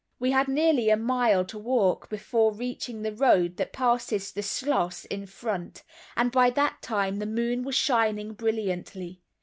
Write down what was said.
We had nearly a mile to walk before reaching the road that passes the schloss in front, and by that time the moon was shining brilliantly.